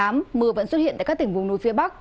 mưa vẫn xuất hiện tại các tỉnh vùng núi phía bắc